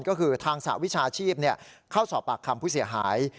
ก็คือทางสหวิชาชีพเข้าสอบปากคำผู้เสียหาย